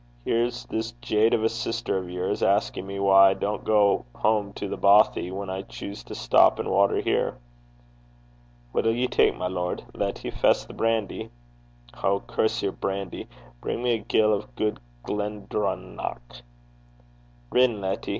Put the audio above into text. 'Here's this jade of a sister of yours asking me why I don't go home to The Bothie, when I choose to stop and water here.' 'What'll ye tak', my lord? Letty, fess the brandy.' 'Oh! damn your brandy! Bring me a gill of good Glendronach.' 'Rin, Letty.